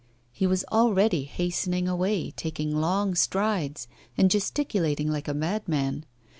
He was already hastening away, taking long strides, and gesticulating like a madman.